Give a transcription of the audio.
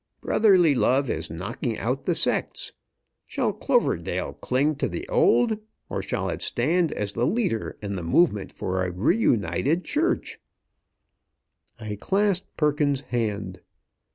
Brotherly love is knocking out the sects. Shall Cloverdale cling to the old, or shall it stand as the leader in the movement for a reunited Church?" I clasped Perkins's hand.